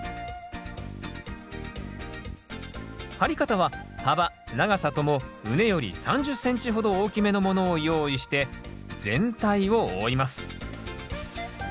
張り方は幅長さとも畝より３０ｃｍほど大きめのものを用意して全体を覆います。